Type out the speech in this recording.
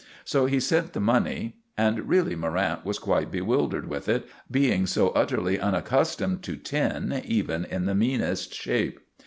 So he sent the money; and really Morrant was quite bewildered with it, being so utterly unaccustomed to tin even in the meanest shape.